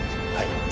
はい。